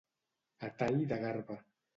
A tall de garba.